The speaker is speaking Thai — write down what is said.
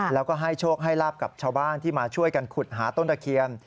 แล้วก็ให้โชคให้ลาบกับชาวบ้านที่มาช่วยกันขุดหาต้นตะเคียน